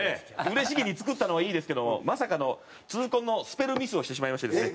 嬉しげに作ったのはいいですけどまさかの痛恨のスペルミスをしてしまいましてですね。